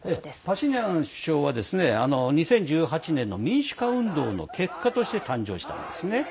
パシニャン首相は２０１８年の民主化運動の結果として誕生したんですね。